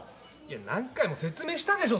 何回も説明したでしょ